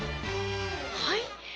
はい？